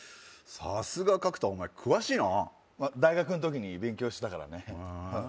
さすが角田お前詳しいな大学の時に勉強したからねへえ